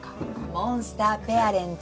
モンスターペアレンツ。